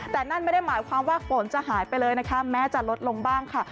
แต่นั่นไม่ได้หมายความว่าฝนจะหายไปเลยนะคะแม้จะลดลงบ้างค่ะ